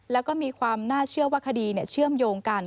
แล้วก็มีความน่าเชื่อว่าคดีเชื่อมโยงกัน